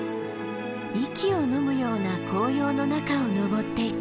息をのむような紅葉の中を登っていく。